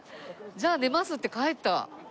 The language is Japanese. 「じゃあ寝ます」って帰った。